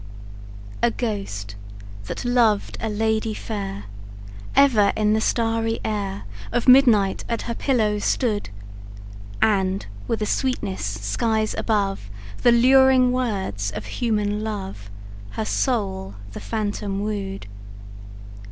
A ghost, that loved a lady fair, Ever in the starry air Of midnight at her pillow stood; And, with a sweetness skies above The luring words of human love, Her soul the phantom wooed.